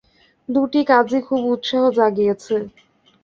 দুটি কাজই খুব উৎসাহ জাগিয়েছে।